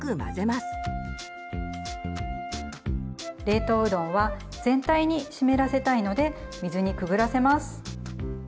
冷凍うどんは全体に湿らせたいので水にくぐらせます。